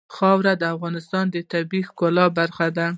خاوره د افغانستان د طبیعت د ښکلا برخه ده.